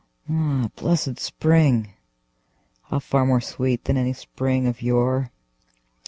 Ah, blessed spring!—how far more sweet than any spring of yore!